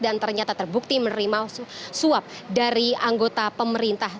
dan ternyata terbukti menerima suap dari anggota pemerintah